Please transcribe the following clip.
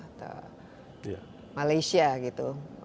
atau malaysia gitu